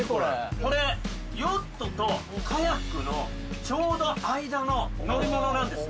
これヨットとカヤックのちょうど間の乗り物なんですね